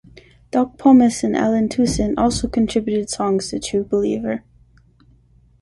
Doc Pomus and Allen Toussaint also contributed songs to "True Believer".